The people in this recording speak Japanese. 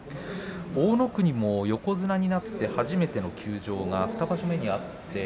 大乃国も横綱になって初めての休場は２場所目にありました。